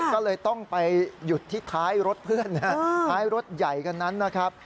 ก็เลยต้องไปหยุดที่ท้ายรถเพื่อนท้ายรถใหญ่กันนั้นนะครับ